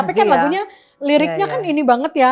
tapi kan lagunya liriknya kan ini banget ya